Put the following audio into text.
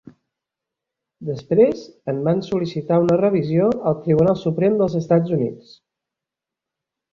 Després en van sol·licitar una revisió al Tribunal Suprem dels Estats Units.